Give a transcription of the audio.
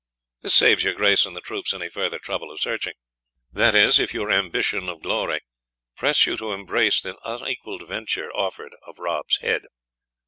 This saves your Grace and the troops any further trouble of searching; that is, if your ambition of glory press you to embrace this unequald venture offerd of Rob's head.